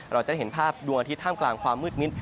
เราจะได้เห็นภาพดวงอาทิตยท่ามกลางความมืดมิด